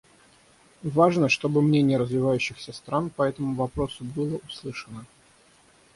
Важно, чтобы мнение развивающихся стран по этому вопросу было услышано.